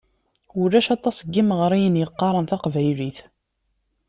Ulac aṭas n yimeɣriyen yeqqaren taqbaylit.